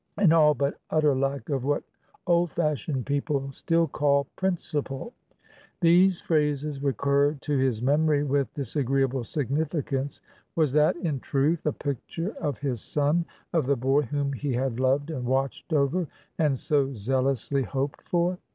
. an all but utter lack of what old fashioned people still call principle. ..." these phrases recurred to his memory, with disagreeable significance. Was that in truth a picture of his son, of the boy whom he had loved and watched over and so zealously hoped for?